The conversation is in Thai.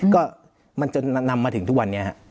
ก็มันจนนำมาถึงทุกวันนี้ครับ